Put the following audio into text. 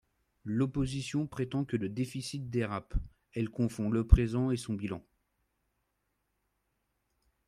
L’opposition prétend que les déficits dérapent, elle confond le présent et son bilan.